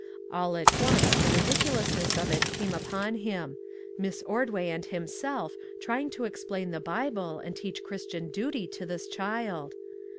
All at once the ridiculousness of it came upon him Miss Ordway and himself trying to explain the Bible and teach Christian duty to this child